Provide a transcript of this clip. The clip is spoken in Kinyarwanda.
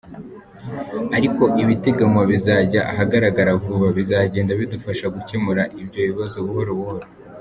ariko ibiteganywa bizajya ahagaragara vuba , bizagenda bidufasha gukemura ibyo bibazo buhoro buhoro.